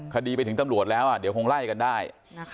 คดีไปถึงตำรวจแล้วเดี๋ยวคงไล่กันได้